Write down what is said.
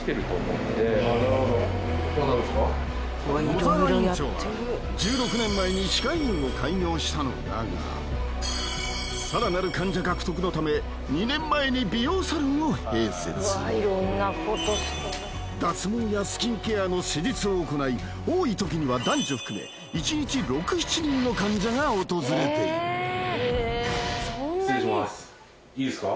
野澤院長は１６年前に歯科医院を開業したのだがさらなる患者獲得のため脱毛やスキンケアの施術を行い多いときには男女含めが訪れている失礼しますいいですか？